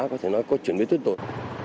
có thể nói là có chuyển biến tuyến tội